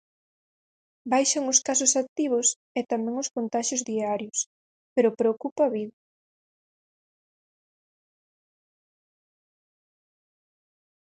Baixan os casos activos e tamén os contaxios diarios, pero preocupa Vigo.